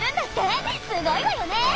すごいわよね！